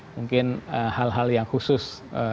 mungkin hal hal yang khusus